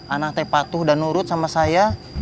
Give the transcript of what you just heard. anak tepat tuh dan nurut sama saya